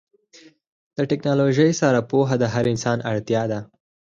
د ټیکنالوژۍ سره پوهه د هر انسان اړتیا ده.